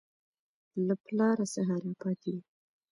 له پلاره څه راپاته وو.